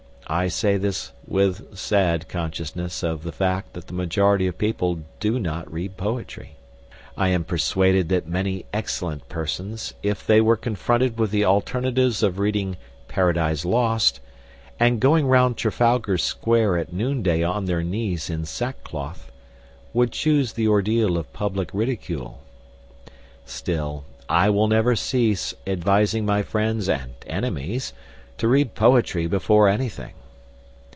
I say this with sad consciousness of the fact that the majority of people do not read poetry. I am persuaded that many excellent persons, if they were confronted with the alternatives of reading "Paradise Lost" and going round Trafalgar Square at noonday on their knees in sack cloth, would choose the ordeal of public ridicule. Still, I will never cease advising my friends and enemies to read poetry before anything.